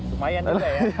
lumayan juga ya